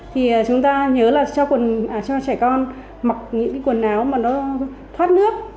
thì chúng ta nhớ là cho trẻ con mặc những quần áo mà nó thoát nước